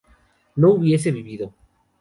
no hubiese vivido